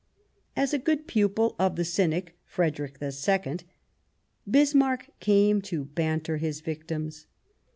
As a good pupil of the Cynic, Frederick II, Bismarck came to banter his victims.